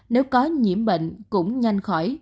nếu có nhiễm bệnh cũng nhanh khỏi